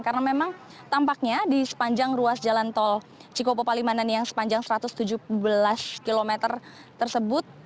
karena memang tampaknya di sepanjang ruas jalan tol cipali palimanan yang sepanjang satu ratus tujuh belas km tersebut